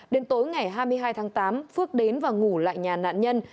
đến tối ngày hai mươi hai tháng tám phước đến và ngủ lại nhà nạn nhân